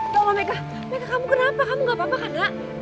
tolong meka meka kamu kenapa kamu nggak apa apa kan